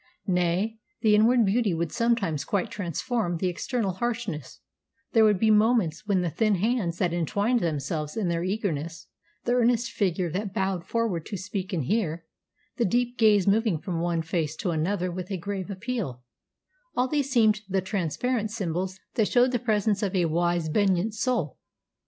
Nay, the inward beauty would sometimes quite transform the external harshness; there would be moments when the thin hands that entwined themselves in their eagerness, the earnest figure that bowed forward to speak and hear, the deep gaze moving from one face to another with a grave appeal, all these seemed the transparent symbols that showed the presence of a wise benignant soul.